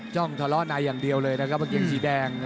จ้องถล้อนายอย่างเดียวเลยนะครับบะเกงสีแดง